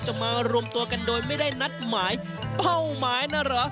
มารวมตัวกันโดยไม่ได้นัดหมายเป้าหมายนะเหรอ